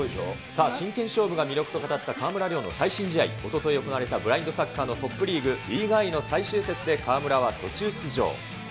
さあ、真剣勝負が魅力と語った川村怜の最新試合、おととい行われたブラインドサッカーのトップリーグ、リーガアイので川村は途中出場。